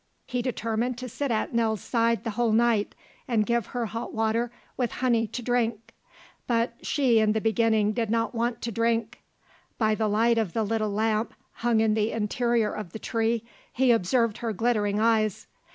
He determined to sit at Nell's side the whole night and give her hot water with honey to drink. But she in the beginning did not want to drink. By the light of the little lamp hung in the interior of the tree he observed her glittering eyes.